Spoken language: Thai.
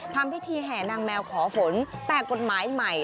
ทำพิธีแห่นางแมวขอฝนแต่กฎหมายใหม่